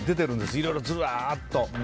いろいろ、ずらっと。